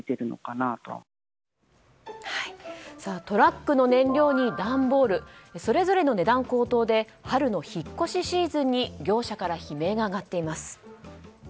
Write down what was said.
トラックの燃料に段ボールそれぞれの値段高騰で春の引っ越しシーズンに業者から悲鳴が上がっています。